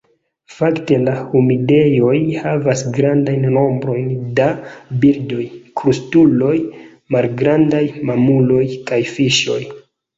Fakte la humidejoj havas grandajn nombrojn da birdoj, krustuloj, malgrandaj mamuloj kaj fiŝoj.